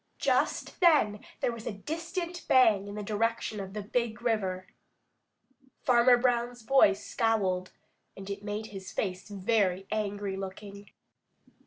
Just then there was a distant bang in the direction of the Big River. Farmer Brown's boy scowled, and it made his face very angry looking.